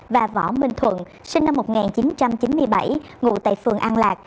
và võ minh thuận sinh năm một nghìn chín trăm chín mươi bảy ngụ tại phường an lạc